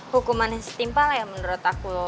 hukuman yang setimpal ya menurut aku